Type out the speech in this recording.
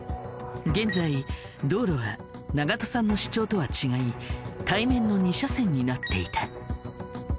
現在道路は長門さんの主張とは違い対面の２車線になっていた。